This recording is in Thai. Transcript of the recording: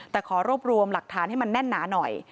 แต่ขอรวบรวมหลักฐานให้มันแน่นหนาหน่อย